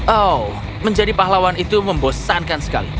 oh menjadi pahlawan itu membosankan sekali